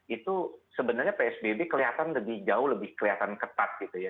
itu sebenarnya psbb kelihatan lebih jauh lebih kelihatan ketat gitu ya